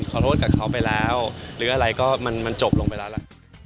ขอโทษกับเขาไปแล้วหรืออะไรก็มันจบลงไปแล้วล่ะ